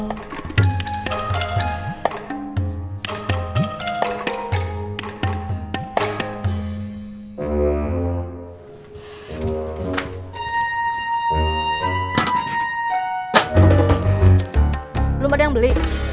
belum ada yang beli